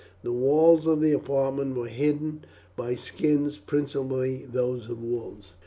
The walls of the apartment were hidden by skins, principally those of wolves.